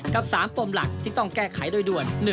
กับ๓ปมหลักที่ต้องแก้ไขโดยด่วน